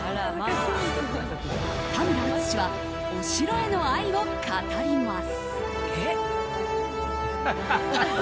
田村淳はお城への愛を語ります。